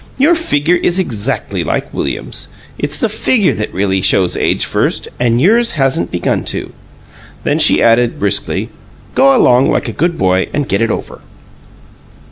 "Your figure is exactly like William's. It's the figure that really shows age first, and yours hasn't begun to." And she added, briskly, "Go along like a good boy and get it ever!"